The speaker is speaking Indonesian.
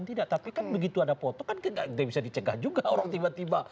tidak tapi kan begitu ada foto kan tidak bisa dicegah juga orang tiba tiba